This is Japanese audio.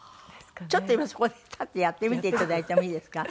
ちょっと今そこで立ってやってみていただいてもいいですか？